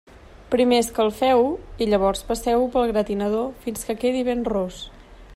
Primer escalfeu-ho i llavors passeu-ho pel gratinador fins que quedi ben ros.